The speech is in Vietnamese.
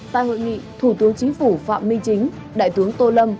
tại hội nghị thủ tướng chính phủ phạm minh chính đại tướng tô lâm